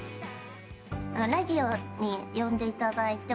ラジオに呼んでいただいて。